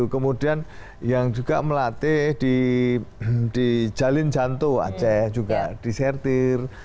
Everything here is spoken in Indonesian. kemudian yang juga melatih di jalin jantung aceh juga disertir